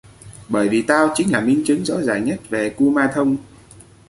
Bởi vì tao chính là minh chứng rõ ràng nhất về kumanthong